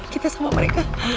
kita sama mereka